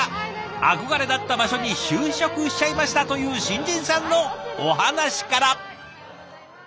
憧れだった場所に就職しちゃいましたという新人さんのお話から。